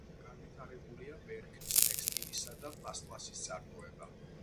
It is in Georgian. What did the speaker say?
განვითარებულია მერქნის, ტექსტილისა და პლასტმასის წარმოება.